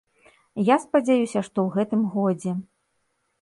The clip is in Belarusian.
Я спадзяюся, што ў гэтым годзе.